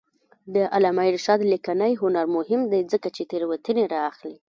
د علامه رشاد لیکنی هنر مهم دی ځکه چې تېروتنې رااخلي.